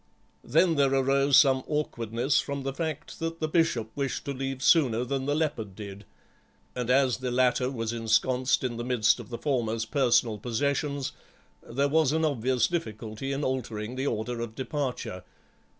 Then there arose some awkwardness from the fact that the Bishop wished to leave sooner than the leopard did, and as the latter was ensconced in the midst of the former's personal possessions there was an obvious difficulty in altering the order of departure.